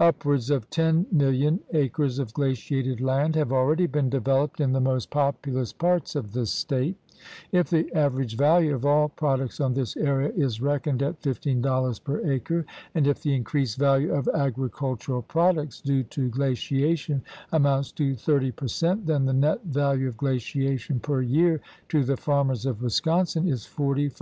Upwards of 10,000,000 acres of glaciated land have already been developed in the most populous parts of the State. If the aver age value of all products on this area is reckoned at $15 per acre and if the increased value of agricul 58 THE RED MAN'S CONTINENT tural products due to glaciation amounts to 30 per cent, then the net value of glaciation per year to the farmers of Wisconsin is $45,000,000.